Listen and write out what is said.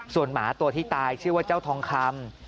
ส่วนหมาตัวที่ตายชื่อว่าเจ้าทองคำ